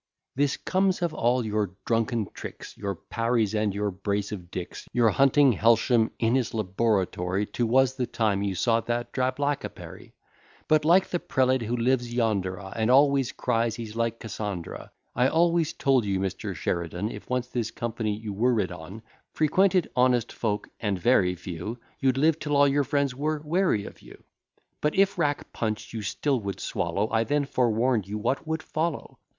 This comes of all your drunken tricks, Your Parry's and your brace of Dicks; Your hunting Helsham in his laboratory Too, was the time you saw that Drab lac a Pery But like the prelate who lives yonder a, And always cries he is like Cassandra; I always told you, Mr. Sheridan, If once this company you were rid on, Frequented honest folk, and very few, You'd live till all your friends were weary of you. But if rack punch you still would swallow, I then forewarn'd you what would follow.